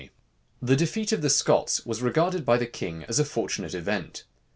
} The defeat of the Scots was regarded by the king as a fortunate event.